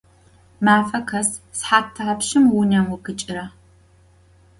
Mefe khes sıhat thapşşım vunem vukhiç'ıra?